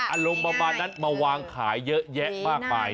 อารมณ์ประมาณนั้นมาวางขายเยอะแยะมากมาย